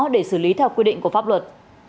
để xử lý theo quy định của pháp luật